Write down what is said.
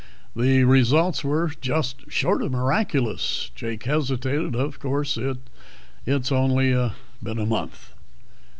The results were just short of miraculous." Jake hesitated. "Of course, it's only been a month...."